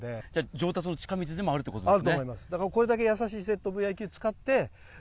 上達の近道でもあるということですね。